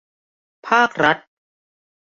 ภาครัฐ